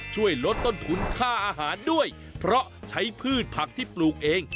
ช่วยลดต้นทุนค่าอาหารด้วยเพราะใช้พืชผักที่ปลูกเอง